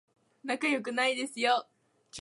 仲良くないですよ